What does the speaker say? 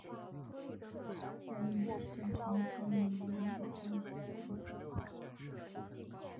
韩语社群常以南北关系称之。